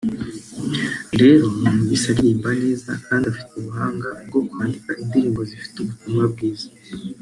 rero numvise aririmba neza kandi afite ubuhanga bwo kwandika indirimbo zifite ubutumwa bwiza